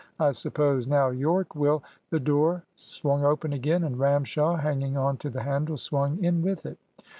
I suppose, now, Yorke will " The door swung open again, and Ramshaw, hanging on to the handle, swung in with it.